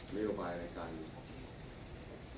นโยบายรายการนี้